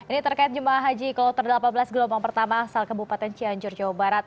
ini terkait jemaah haji kloter delapan belas gelombang pertama asal kebupaten cianjur jawa barat